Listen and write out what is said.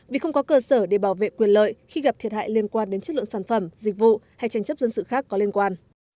vì không có cơ sở để bảo vệ quyền lợi khi gặp thiệt hại liên quan đến chất lượng sản phẩm dịch vụ hay tranh chấp dân sự khác có liên quan